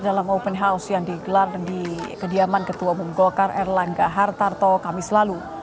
dalam open house yang digelar di kediaman ketua umum golkar erlangga hartarto kamis lalu